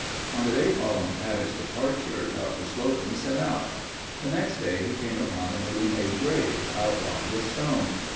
On the day following Paddock's departure Doctor Slocum set out. The next day he came upon a newly made grave, outlined with stone.